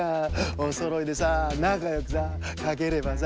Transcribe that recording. おそろいでさなかよくさかければさ。